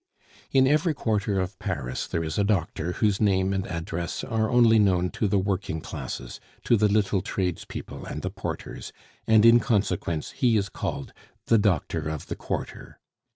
In every quarter of Paris there is a doctor whose name and address are only known to the working classes, to the little tradespeople and the porters, and in consequence he is called "the doctor of the quarter."